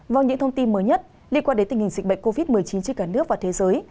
vâng những thông tin mới nhất liên quan đến tình hình dịch bệnh covid một mươi chín trên cả nước và thế giới